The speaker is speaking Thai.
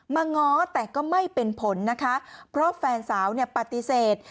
ง้อแต่ก็ไม่เป็นผลนะคะเพราะแฟนสาวเนี่ยปฏิเสธ